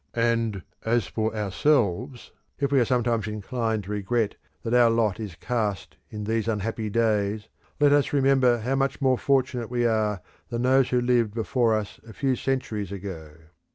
And as for ourselves, if we are sometimes inclined to regret that our lot is cast in these unhappy days, let us remember how much more fortunate we are than those who lived before us a few centuries ago.